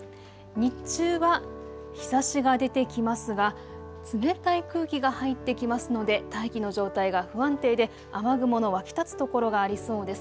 日中は日ざしが出てきますが冷たい空気が入ってきますので大気の状態が不安定で雨雲の湧き立つところがありそうです。